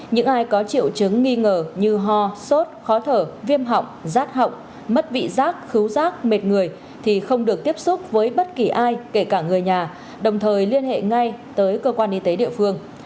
những ai có triệu chứng nghi ngờ như ho sốt khó thở viêm họng rát họng mất vị giác khứu rác mệt người thì không được tiếp xúc với bất kỳ ai kể cả người nhà đồng thời liên hệ ngay tới cơ quan y tế địa phương